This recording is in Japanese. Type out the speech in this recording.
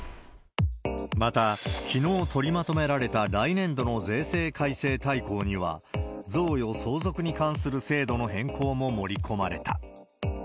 また、きのう取りまとめられた来年度の税制改正大綱には、贈与、相続に関する制度の変更も盛り込まれた。